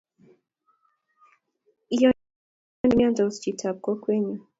Inyoii bik chemnynsot chitap kokwenyu